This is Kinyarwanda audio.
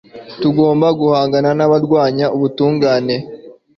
tugomba guhangana nabarwanya ubutungane